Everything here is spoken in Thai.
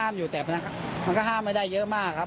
แล้วหมาใครสู้ครับ